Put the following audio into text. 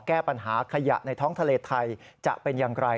แก้ปัญหาขยะในท้องทะเลไทยจะเป็นอย่างไร